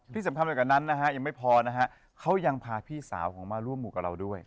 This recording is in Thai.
ที่สำคัญไปกว่านั้นนะฮะยังไม่พอนะฮะเขายังพาพี่สาวผมมาร่วมหมู่กับเราด้วย